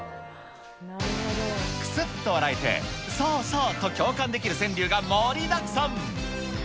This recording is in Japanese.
くすっと笑えて、そうそうと共感できる川柳が盛りだくさん。